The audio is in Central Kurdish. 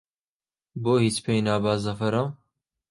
بۆ هیچ پێی نابا زەفەرە